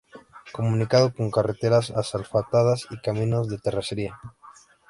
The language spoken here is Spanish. Comunicado con carreteras asfaltadas y caminos de terracería.